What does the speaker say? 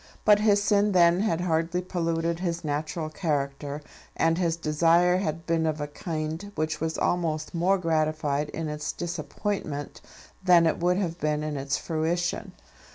But his sin then had hardly polluted his natural character, and his desire had been of a kind which was almost more gratified in its disappointment than it would have been in its fruition.